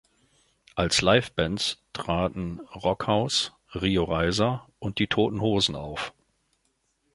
Als Livebands traten Rockhaus, Rio Reiser und Die Toten Hosen auf.